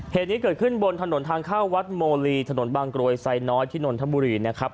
เหตุนี้เกิดขึ้นบนถนนทางเข้าวัดโมลีถนนบางกรวยไซน้อยที่นนทบุรีนะครับ